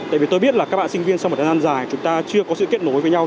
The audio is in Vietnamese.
tại vì tôi biết là các bạn sinh viên sau một thời gian dài chúng ta chưa có sự kết nối với nhau